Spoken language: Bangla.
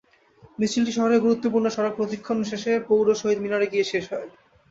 মিছিলটি শহরের গুরুত্বপূর্ণ সড়ক প্রদক্ষিণ শেষে পৌর শহীদ মিনারে গিয়ে শেষ হয়।